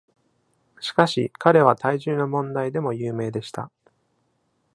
しかし、彼は体重の問題でも有名でした。